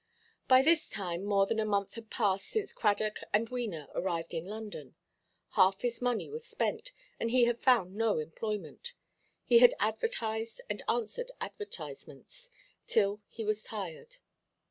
By this time more than a month had passed since Cradock and Wena arrived in London; half his money was spent, and he had found no employment. He had advertised, and answered advertisements, till he was tired.